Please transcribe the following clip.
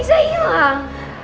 ini pasti kelakuannya kak dinda nih